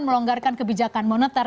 melonggarkan kebijakan moneter